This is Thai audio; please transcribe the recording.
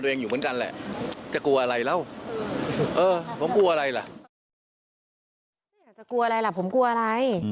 นายกยกยังห่วงแล้วใครทำไมทำอะไร